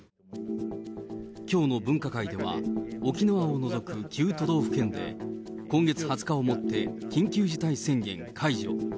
きょうの分科会では、沖縄を除く９都道府県で、今月２０日をもって緊急事態宣言解除。